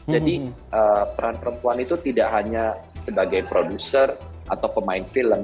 jadi peran perempuan itu tidak hanya sebagai produser atau pemain film